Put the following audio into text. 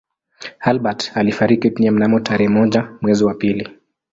Albert alifariki dunia mnamo tarehe moja mwezi wa pili